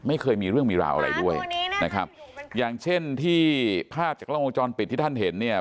ไม่เคยมีเรื่องมีราวอะไรด้วยนะครับอย่างเช่นที่ภาพจากกล้องวงจรปิดที่ท่านเห็นเนี่ย